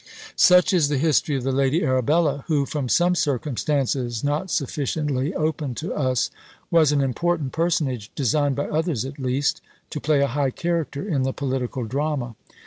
Such is the history of the Lady Arabella, who, from some circumstances not sufficiently opened to us, was an important personage, designed by others, at least, to play a high character in the political drama.